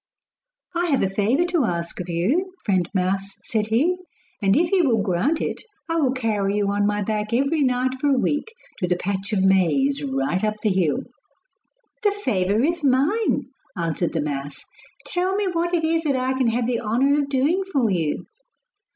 'I have a favour to ask of you, friend mouse,' said he, 'and if you will grant it I will carry you on my back every night for a week to the patch of maize right up the hill.' 'The favour is mine,' answered the mouse. 'Tell me what it is that I can have the honour of doing for you.